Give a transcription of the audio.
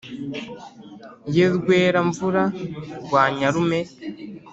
ye rwera-mvura rwa nyarume,